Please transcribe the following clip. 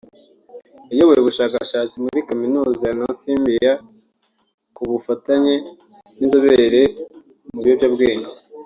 wayoboye ubu bushakashatsi muri kaminuza ya Northumbria kubufatanye n’inzobere mu by’ibiyobyabwenge